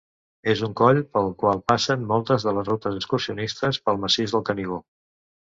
És un coll pel qual passen moltes de les rutes excursionistes pel Massís del Canigó.